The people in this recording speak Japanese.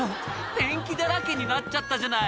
「ペンキだらけになっちゃったじゃない」